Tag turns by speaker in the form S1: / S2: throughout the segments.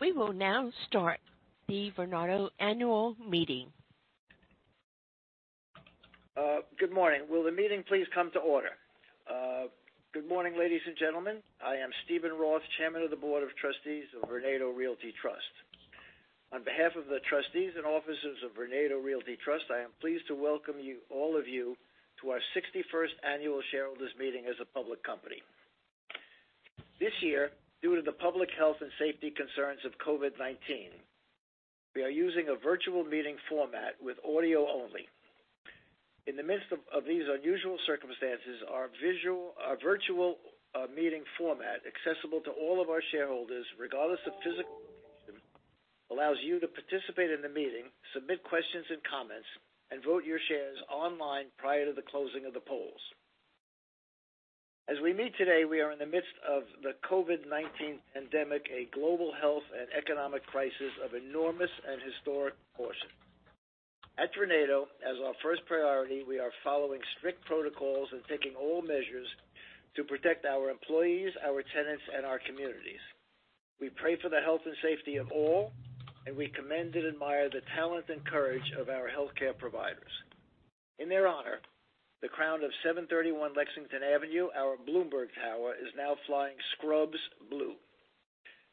S1: We will now start the Vornado annual meeting.
S2: Good morning. Will the meeting please come to order? Good morning, ladies and gentlemen. I am Steven Roth, Chairman of the Board of Trustees of Vornado Realty Trust. On behalf of the trustees and officers of Vornado Realty Trust, I am pleased to welcome all of you to our 61st annual shareholders meeting as a public company. This year, due to the public health and safety concerns of COVID-19, we are using a virtual meeting format with audio only. In the midst of these unusual circumstances, our virtual meeting format, accessible to all of our shareholders, regardless of physical location, allows you to participate in the meeting, submit questions and comments, and vote your shares online prior to the closing of the polls. As we meet today, we are in the midst of the COVID-19 pandemic, a global health and economic crisis of enormous and historic proportion. At Vornado, as our first priority, we are following strict protocols and taking all measures to protect our employees, our tenants, and our communities. We pray for the health and safety of all, and we commend and admire the talent and courage of our healthcare providers. In their honor, the crown of 731 Lexington Avenue, our Bloomberg Tower, is now flying Scrubs Blue,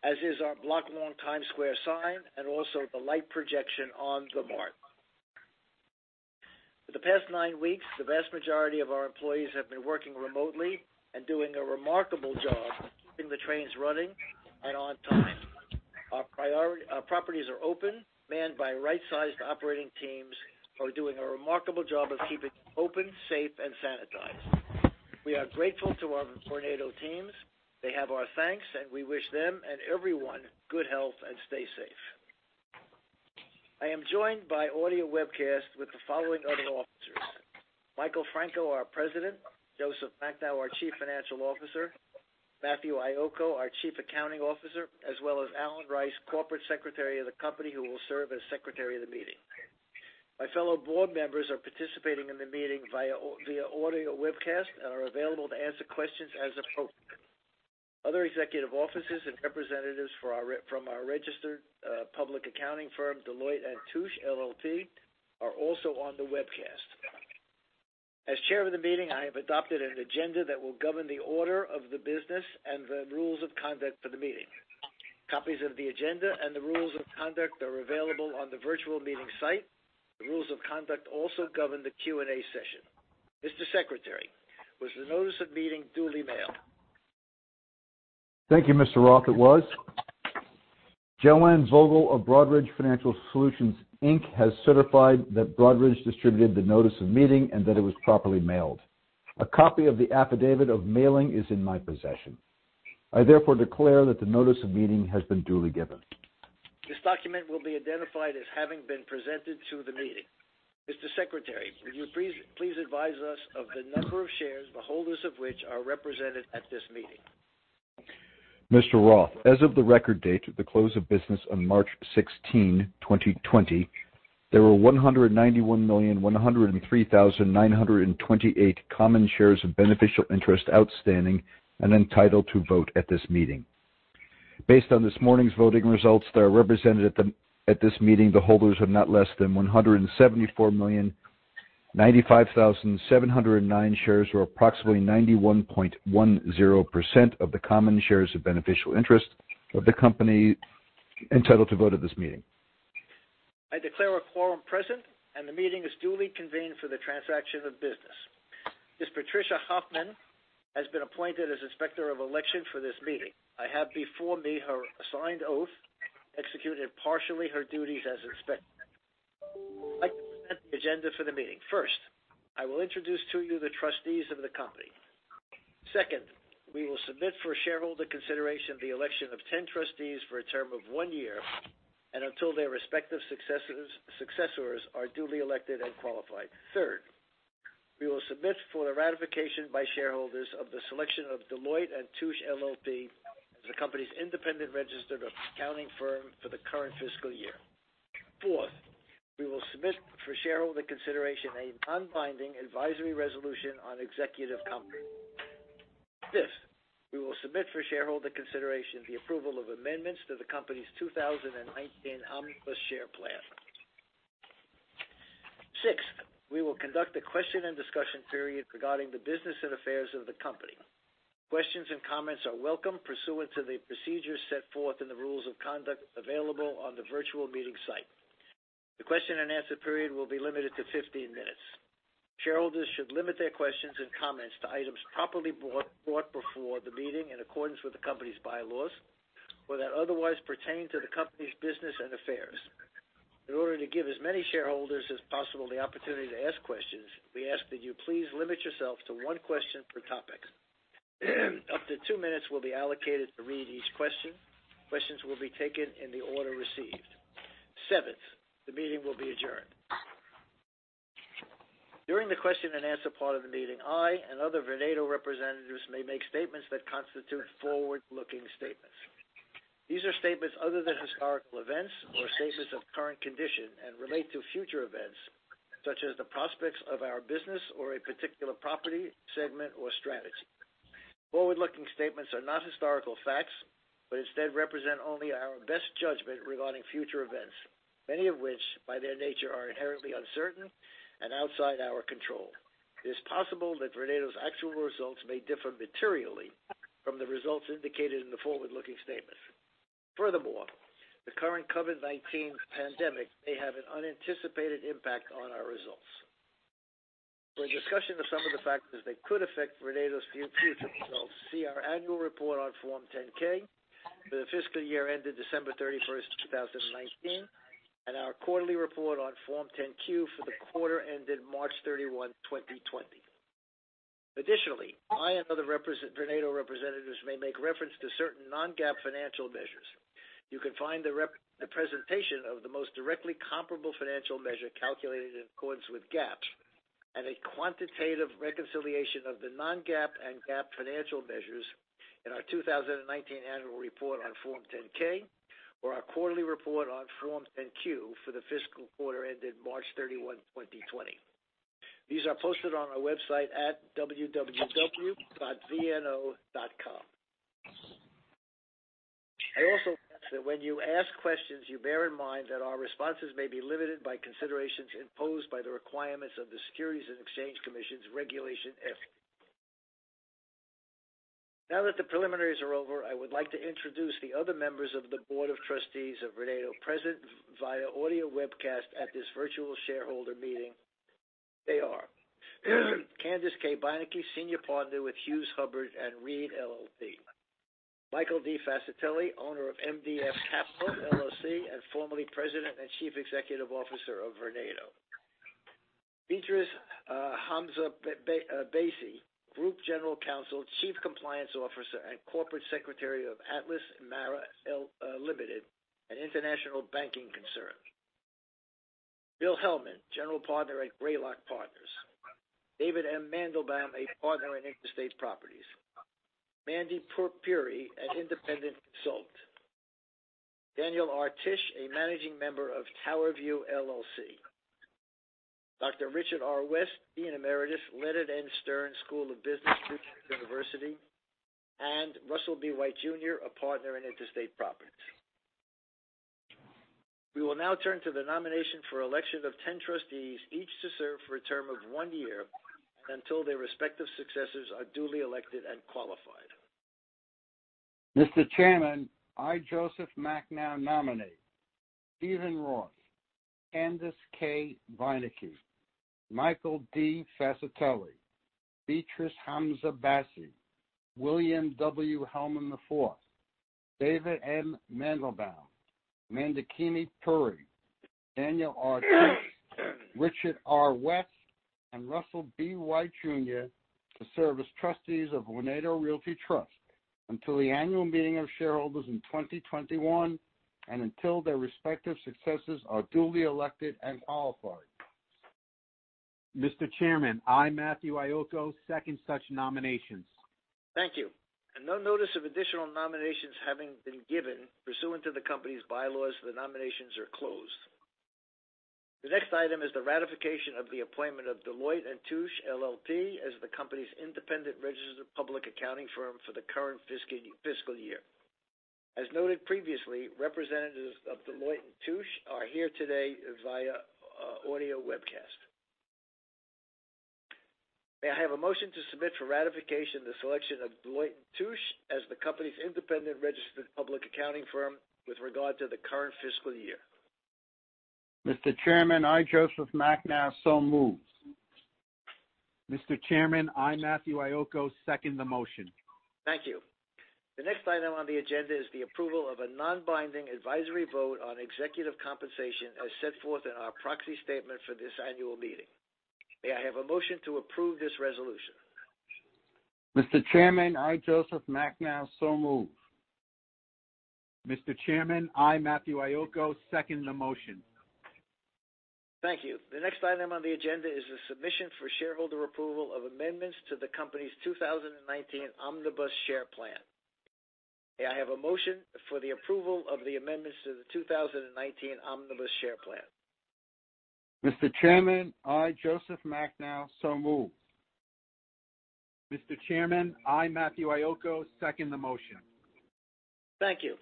S2: as is our block-long Times Square sign, and also the light projection on The Mark. For the past nine weeks, the vast majority of our employees have been working remotely and doing a remarkable job keeping the trains running and on time. Our properties are open, manned by right-sized operating teams who are doing a remarkable job of keeping open, safe, and sanitized. We are grateful to our Vornado teams. They have our thanks, and we wish them and everyone good health and stay safe. I am joined by audio webcast with the following other officers. Michael Franco, our President, Joseph Macnow, our Chief Financial Officer, Matthew Iocco, our Chief Accounting Officer, as well as Alan Rice, Corporate Secretary of the company, who will serve as Secretary of the meeting. My fellow board members are participating in the meeting via audio webcast and are available to answer questions as appropriate. Other executive officers and representatives from our registered public accounting firm, Deloitte & Touche LLP, are also on the webcast. As Chair of the meeting, I have adopted an agenda that will govern the order of the business and the rules of conduct for the meeting. Copies of the agenda and the rules of conduct are available on the virtual meeting site. The rules of conduct also govern the Q&A session. Mr. Secretary, was the notice of meeting duly mailed?
S3: Thank you, Mr. Roth. Joanne Vogel of Broadridge Financial Solutions, Inc. has certified that Broadridge distributed the notice of meeting and that it was properly mailed. A copy of the affidavit of mailing is in my possession. I therefore declare that the notice of meeting has been duly given.
S2: This document will be identified as having been presented to the meeting. Mr. Secretary, would you please advise us of the number of shares, the holders of which are represented at this meeting?
S3: Mr. Roth, as of the record date at the close of business on March 16, 2020, there were 191,103,928 common shares of beneficial interest outstanding and entitled to vote at this meeting. Based on this morning's voting results that are represented at this meeting, the holders of not less than 174,095,709 shares or approximately 91.10% of the common shares of beneficial interest of the company entitled to vote at this meeting.
S2: I declare a quorum present, and the meeting is duly convened for the transaction of business. Ms. Patricia Hoffman has been appointed as Inspector of Election for this meeting. I have before me her signed oath executing [impartially] her duties as Inspector. I'd like to present the agenda for the meeting. First, I will introduce to you the trustees of the company. Second, we will submit for shareholder consideration the election of 10 trustees for a term of one year and until their respective successors are duly elected and qualified. Third, we will submit for the ratification by shareholders of the selection of Deloitte & Touche LLP as the company's independent registered accounting firm for the current fiscal year. Fourth, we will submit for shareholder consideration a non-binding advisory resolution on executive compensation. Fifth, we will submit for shareholder consideration the approval of amendments to the company's 2019 Omnibus Share Plan. Sixth, we will conduct a question and discussion period regarding the business and affairs of the company. Questions and comments are welcome pursuant to the procedures set forth in the rules of conduct available on the virtual meeting site. The question and answer period will be limited to 15 minutes. Shareholders should limit their questions and comments to items properly brought before the meeting in accordance with the company's bylaws or that otherwise pertain to the company's business and affairs. In order to give as many shareholders as possible the opportunity to ask questions, we ask that you please limit yourself to one question per topic. Up to two minutes will be allocated to read each question. Questions will be taken in the order received. Seventh, the meeting will be adjourned. During the question and answer part of the meeting, I and other Vornado representatives may make statements that constitute forward-looking statements. These are statements other than historical events or statements of current condition and relate to future events such as the prospects of our business or a particular property segment or strategy. Forward-looking statements are not historical facts, but instead represent only our best judgment regarding future events, many of which, by their nature, are inherently uncertain and outside our control. It is possible that Vornado's actual results may differ materially from the results indicated in the forward-looking statements. Furthermore, the current COVID-19 pandemic may have an unanticipated impact on our results. For a discussion of some of the factors that could affect Vornado's future results, see our annual report on Form 10-K for the fiscal year ended December 31, 2019, and our quarterly report on Form 10-Q for the quarter ended March 31, 2020. Additionally, I and other Vornado representatives may make reference to certain non-GAAP financial measures. You can find the presentation of the most directly comparable financial measure calculated in accordance with GAAP and a quantitative reconciliation of the non-GAAP and GAAP financial measures in our 2019 annual report on Form 10-K or our quarterly report on Form 10-Q for the fiscal quarter ended March 31, 2020. These are posted on our website at www.vno.com. I also ask that when you ask questions, you bear in mind that our responses may be limited by considerations imposed by the requirements of the Securities and Exchange Commission's Regulation FD. Now that the preliminaries are over, I would like to introduce the other members of the Board of Trustees of Vornado present via audio webcast at this virtual shareholder meeting. They are Candace K. Beinecke, Senior Partner with Hughes Hubbard & Reed LLP. Michael D. Fascitelli, Owner of MDF Capital, LLC, and formerly President and Chief Executive Officer of Vornado. Beatrice Hamza Bassey, Group General Counsel, Chief Compliance Officer, and Corporate Secretary of Atlas Mara Limited, an international banking concern. Bill Helman, General Partner at Greylock Partners. David M. Mandelbaum, a Partner in Interstate Properties. Mandy Puri, an independent consultant. Daniel R. Tisch, a Managing Member of TowerView LLC. Dr. Richard R. West, Dean Emeritus, Leonard N. Stern School of Business, New York University. Russell B. Wight, Jr., a Partner in Interstate Properties. We will now turn to the nomination for election of 10 trustees, each to serve for a term of one year until their respective successors are duly elected and qualified.
S4: Mr. Chairman, I, Joseph Macnow, nominate Steven Roth, Candace K. Beinecke, Michael D. Fascitelli, Beatrice Hamza Bassey, William W. Helman IV, David M. Mandelbaum, Mandakini Puri, Daniel R. Tisch, Richard R. West, and Russell B. Wight Jr. to serve as trustees of Vornado Realty Trust until the annual meeting of shareholders in 2021, and until their respective successors are duly elected and qualified.
S5: Mr. Chairman, I, Matthew Iocco, second such nominations.
S2: Thank you. No notice of additional nominations having been given pursuant to the company's bylaws, the nominations are closed. The next item is the ratification of the appointment of Deloitte & Touche LLP as the company's independent registered public accounting firm for the current fiscal year. As noted previously, representatives of Deloitte & Touche are here today via audio webcast. May I have a motion to submit for ratification the selection of Deloitte & Touche as the company's independent registered public accounting firm with regard to the current fiscal year.
S4: Mr. Chairman, I, Joseph Macnow, so move.
S5: Mr. Chairman, I, Matthew Iocco, second the motion.
S2: Thank you. The next item on the agenda is the approval of a non-binding advisory vote on executive compensation as set forth in our proxy statement for this annual meeting. May I have a motion to approve this resolution?
S4: Mr. Chairman, I, Joseph Macnow, so move.
S5: Mr. Chairman, I, Matthew Iocco, second the motion.
S2: Thank you. The next item on the agenda is the submission for shareholder approval of amendments to the company's 2019 Omnibus Share Plan. May I have a motion for the approval of the amendments to the 2019 Omnibus Share Plan?
S4: Mr. Chairman, I, Joseph Macnow, so move.
S5: Mr. Chairman, I, Matthew Iocco, second the motion.
S2: Thank you.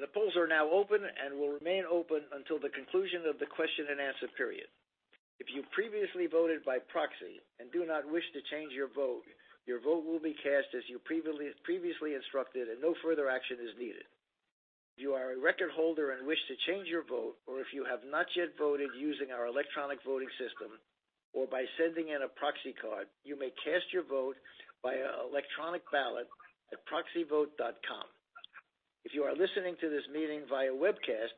S2: The polls are now open and will remain open until the conclusion of the question and answer period. If you previously voted by proxy and do not wish to change your vote, your vote will be cast as you previously instructed, and no further action is needed. If you are a record holder and wish to change your vote, or if you have not yet voted using our electronic voting system or by sending in a proxy card, you may cast your vote by electronic ballot at proxyvote.com. If you are listening to this meeting via webcast,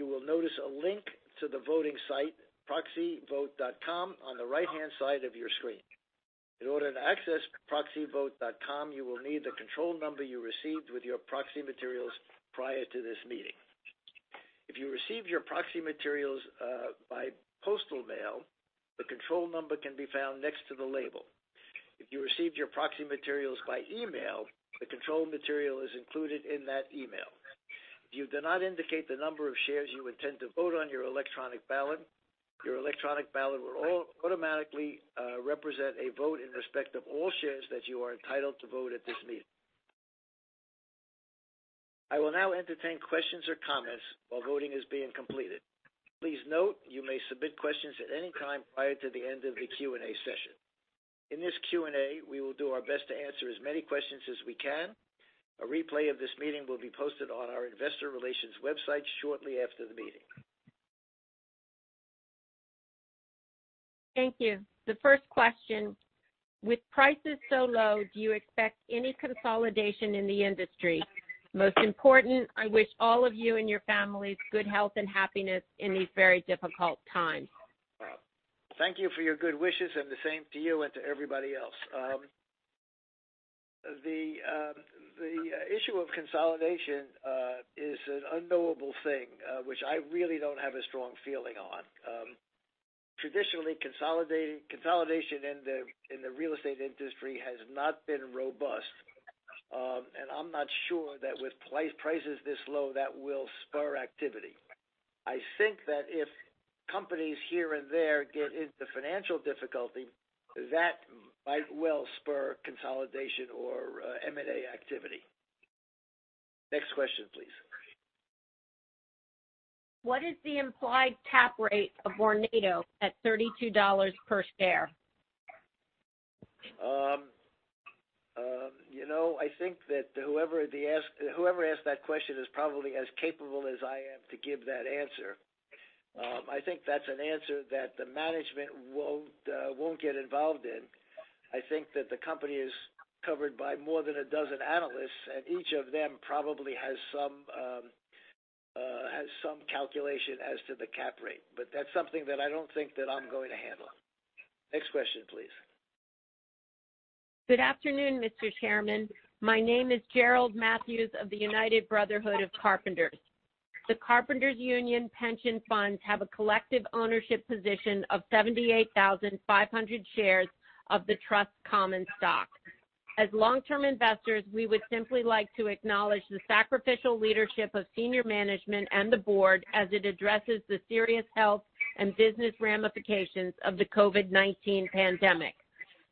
S2: you will notice a link to the voting site, proxyvote.com, on the right-hand side of your screen. In order to access proxyvote.com, you will need the control number you received with your proxy materials prior to this meeting. If you received your proxy materials by postal mail, the control number can be found next to the label. If you received your proxy materials by email, the control number is included in that email. If you do not indicate the number of shares you intend to vote on your electronic ballot, your electronic ballot will automatically represent a vote in respect of all shares that you are entitled to vote at this meeting. I will now entertain questions or comments while voting is being completed. Please note, you may submit questions at any time prior to the end of the Q&A session. In this Q&A, we will do our best to answer as many questions as we can. A replay of this meeting will be posted on our investor relations website shortly after the meeting.
S1: Thank you. The first question, with prices so low, do you expect any consolidation in the industry? Most important, I wish all of you and your families good health and happiness in these very difficult times.
S2: Thank you for your good wishes and the same to you and to everybody else. The issue of consolidation is an unknowable thing which I really don't have a strong feeling on. Traditionally, consolidation in the real estate industry has not been robust. I'm not sure that with prices this low that will spur activity. I think that if companies here and there get into financial difficulty, that might well spur consolidation or M&A activity. Next question, please.
S1: What is the implied cap rate of Vornado at $32 per share?
S2: I think that whoever asked that question is probably as capable as I am to give that answer. I think that's an answer that the management won't get involved in. I think that the company is covered by more than 12 analysts, and each of them probably has some calculation as to the cap rate. That's something that I don't think that I'm going to handle. Next question, please.
S1: Good afternoon, Mr. Chairman. My name is Gerry Matthews of the United Brotherhood of Carpenters. The Carpenters Union pension funds have a collective ownership position of 78,500 shares of the trust common stock. As long-term investors, we would simply like to acknowledge the sacrificial leadership of senior management and the board as it addresses the serious health and business ramifications of the COVID-19 pandemic.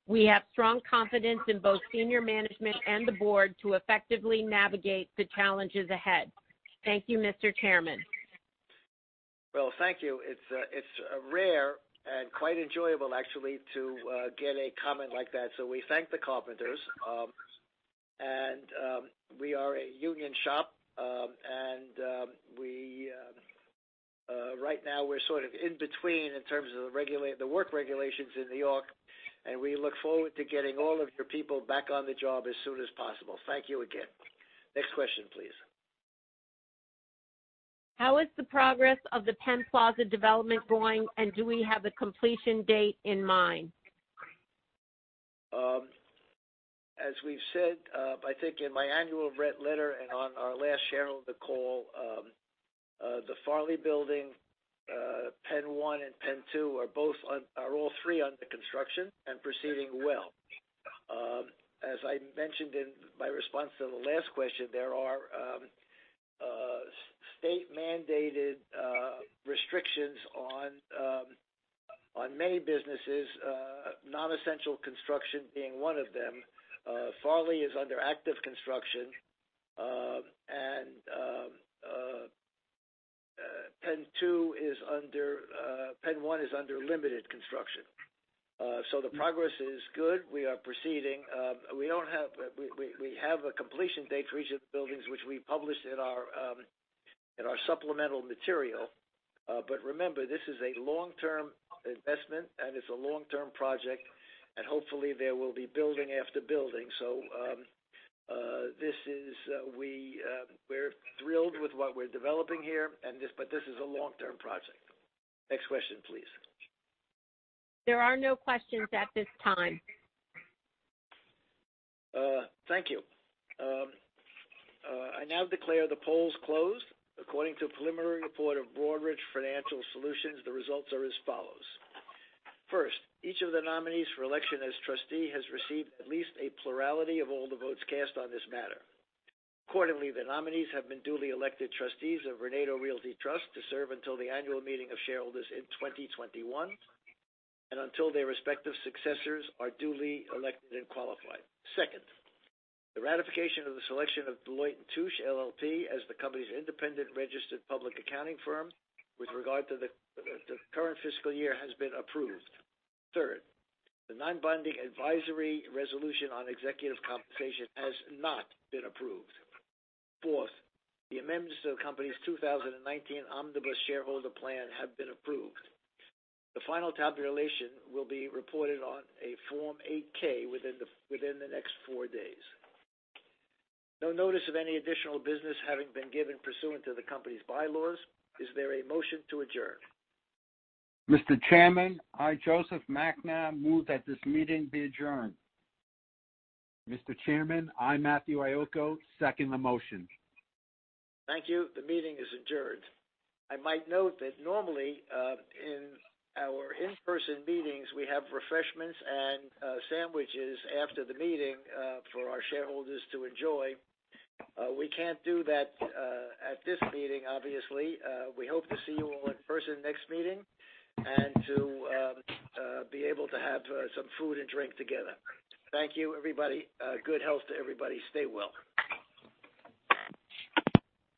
S1: We have strong confidence in both senior management and the board to effectively navigate the challenges ahead. Thank you, Mr. Chairman.
S2: Well, thank you. It's rare and quite enjoyable actually, to get a comment like that. We thank the Carpenters. We are a union shop. Right now, we're sort of in between in terms of the work regulations in New York, and we look forward to getting all of your people back on the job as soon as possible. Thank you again. Next question, please.
S1: How is the progress of the Penn Plaza development going, and do we have a completion date in mind?
S2: As we've said, I think in my annual letter and on our last shareholder call, the Farley Building, Penn 1 and Penn 2 are all three under construction and proceeding well. As I mentioned in my response to the last question, there are state-mandated restrictions on many businesses, non-essential construction being one of them. Farley is under active construction. Penn 1 is under limited construction. The progress is good. We are proceeding. We have a completion date for each of the buildings, which we published in our supplemental material. Remember, this is a long-term investment, and it's a long-term project, and hopefully, there will be building after building. We're thrilled with what we're developing here, this is a long-term project. Next question, please.
S1: There are no questions at this time.
S2: Thank you. I now declare the polls closed. According to a preliminary report of Broadridge Financial Solutions, the results are as follows. First, each of the nominees for election as trustee has received at least a plurality of all the votes cast on this matter. Accordingly, the nominees have been duly elected trustees of Vornado Realty Trust to serve until the annual meeting of shareholders in 2021, and until their respective successors are duly elected and qualified. Second, the ratification of the selection of Deloitte & Touche LLP as the company's independent registered public accounting firm with regard to the current fiscal year has been approved. Third, the non-binding advisory resolution on executive compensation has not been approved. Fourth, the amendments to the company's 2019 Omnibus Share Plan have been approved. The final tabulation will be reported on a Form 8-K within the next four days. No notice of any additional business having been given pursuant to the company's bylaws. Is there a motion to adjourn?
S4: Mr. Chairman, I, Joseph Macnow, move that this meeting be adjourned.
S5: Mr. Chairman, I, Matthew Iocco, second the motion.
S2: Thank you. The meeting is adjourned. I might note that normally in our in-person meetings, we have refreshments and sandwiches after the meeting for our shareholders to enjoy. We can't do that at this meeting, obviously. We hope to see you all in person next meeting, and to be able to have some food and drink together. Thank you, everybody. Good health to everybody. Stay well.